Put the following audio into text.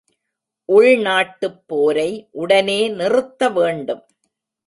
உள் நாட்டுப் போரை உடனே நிறுத்த வேண்டும்.